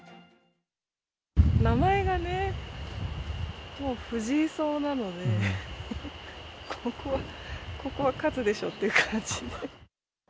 名前がね、もう藤井荘なので、ここは、ここは勝つでしょうっていう感じで。